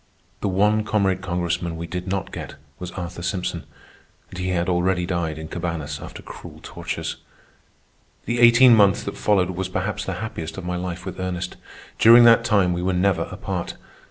The one comrade Congressman we did not get was Arthur Simpson, and he had already died in Cabañas after cruel tortures. The eighteen months that followed was perhaps the happiest of my life with Ernest. During that time we were never apart.